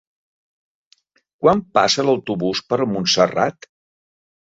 Quan passa l'autobús per Montserrat?